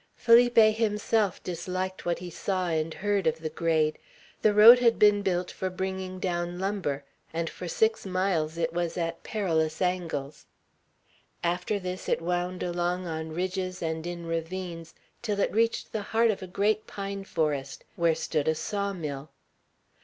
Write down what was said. Felipe himself disliked what he saw and heard of the grade. The road had been built for bringing down lumber, and for six miles it was at perilous angles. After this it wound along on ridges and in ravines till it reached the heart of a great pine forest, where stood a saw mill.